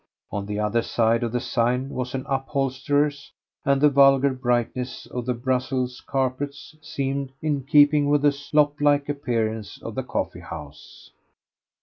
On the other side of the sign was an upholsterer's, and the vulgar brightness of the Brussels carpets seemed in keeping with the slop like appearance of the coffeehouse.